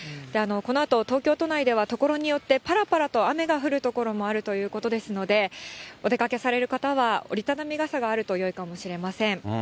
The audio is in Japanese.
このあと、東京都内では、ところによってぱらぱらと雨が降る所もあるということですので、お出かけされる方は折り畳み傘があるとよいかもしれません。